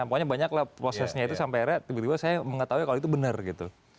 makanya banyaklah prosesnya itu sampai akhirnya tiba tiba saya mengetahui kalau itu benar gitu